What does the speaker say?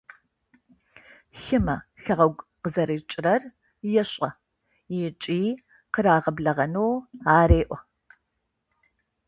Хымэ хэгъэгу къызэрикӏырэр ешӏэ, ыкӏи къырагъэблэгъэнэу ареӏо.